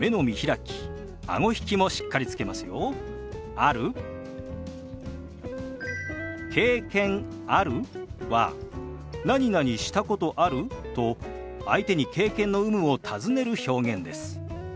「ある？」は「なになにしたことある？」と相手に経験の有無を尋ねる表現です。